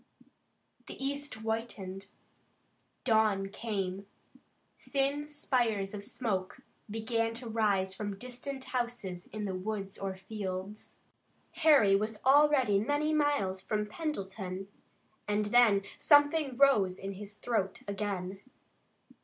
The east whitened. Dawn came. Thin spires of smoke began to rise from distant houses in the woods or fields. Harry was already many miles from Pendleton, and then something rose in his throat again.